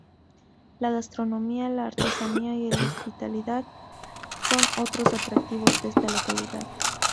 La gastronomía, la artesanía y el hospitalidad son otros atractivos de esta localidad.